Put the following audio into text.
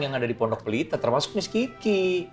yang ada di pondok pelita termasuk misk kiki